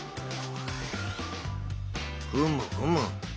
ふむふむ。